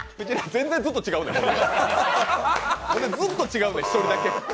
全然ずっと違うねん！